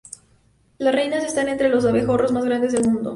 Las reinas están entre los abejorros más grandes del mundo.